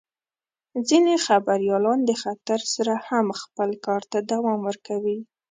ځینې خبریالان د خطر سره هم خپل کار ته دوام ورکوي.